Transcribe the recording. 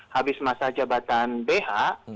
habis masa jabatan bh